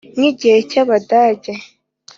Nk igihe cy abadage